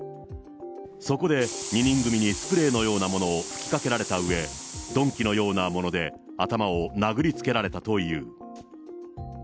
そこで２人組にスプレーのようなものを吹きかけられたうえ、鈍器のようなもので頭を殴りつけられたという。